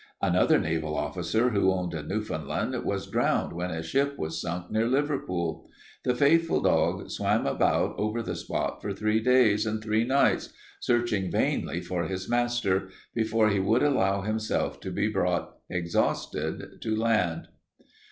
Another naval officer who owned a Newfoundland was drowned when his ship was sunk near Liverpool. The faithful dog swam about over the spot for three days and three nights, searching vainly for his master, before he would allow himself to be brought exhausted to land.